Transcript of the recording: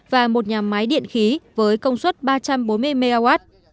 và một nhà máy điện khí với công suất ba trăm bốn mươi mw